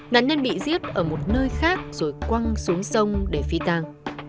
nạn nhân bị giết ở một nơi khác rồi quăng xuống sông để phi tang